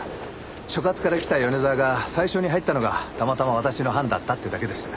所轄から来た米沢が最初に入ったのがたまたま私の班だったってだけです。